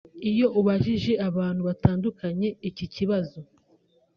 Iyo ubajije abantu batandukanye iki kibazo